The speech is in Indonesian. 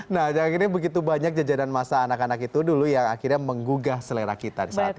nah jangan ini begitu banyak jajanan masa anak anak itu dulu yang akhirnya menggugah selera kita di saat ini